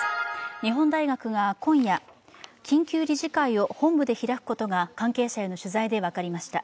日本大学が今夜、緊急理事会を本部で開くことが関係者への取材で分かりました。